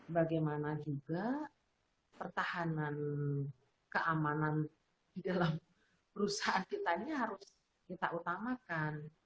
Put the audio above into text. bagaimana juga pertahanan keamanan di dalam perusahaan kita ini harus kita utamakan